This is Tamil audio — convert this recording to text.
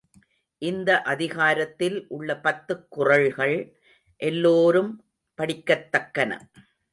இந்த அதிகாரத்தில் உள்ள பத்துக் குறள்கள் எல்லோரும் படிக்கத்தக்கன.